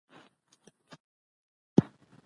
هرات د افغانانو د ګټورتیا برخه ده.